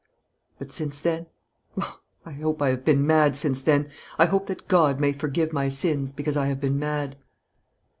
But since then oh, I hope I have been mad since then; I hope that God may forgive my sins because I have been mad!"